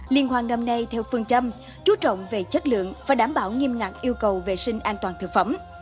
liên hoan năm nay theo phương châm chú trọng về chất lượng và đảm bảo nghiêm ngặt yêu cầu vệ sinh an toàn thực phẩm